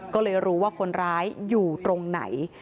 ก็เลยรู้ว่าคนร้ายอยู่ตรงไหน